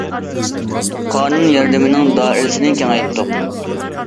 قانۇن ياردىمىنىڭ دائىرىسىنى كېڭەيتتۇق.